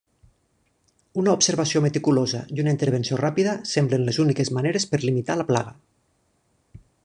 Una observació meticulosa i una intervenció ràpida semblen les úniques maneres per limitar la plaga.